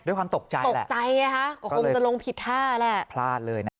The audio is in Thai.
ด้วยความตกใจแหละพลาดเลยนะ